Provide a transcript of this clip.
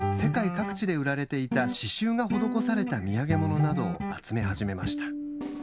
横地さんは終戦後に世界各地で売られていた刺しゅうが施された土産物などを集め始めました。